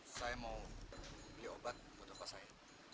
saya mau beli obat buat rokok saya